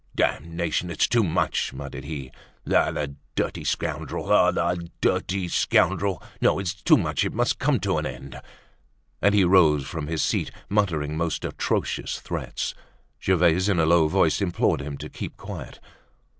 "Damnation! It's too much," muttered he. "Ah! the dirty scoundrel—ah! the dirty scoundrel. No, it's too much, it must come to an end." And as he rose from his seat muttering most atrocious threats, Gervaise, in a low voice, implored him to keep quiet.